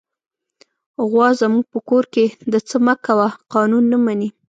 غوا زموږ په کور کې د "څه مه کوه" قانون نه مني.